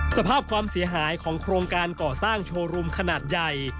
สภาพความเสียหายของโครงการก่อสร้างโชว์รูมขนาดใหญ่